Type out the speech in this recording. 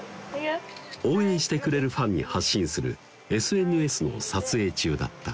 応援してくれるファンに発信するＳＮＳの撮影中だった